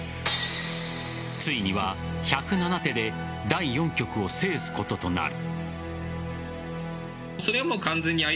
ついには１０７手で第４局を制すこととなる。